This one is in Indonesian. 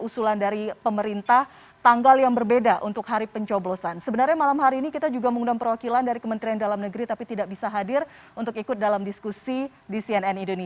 selamat malam bapak bapak dan mbak nini